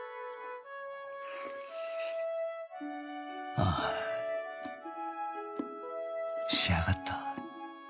ああ仕上がった